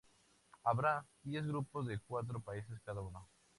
Habrá diez grupos de cuatro países cada uno.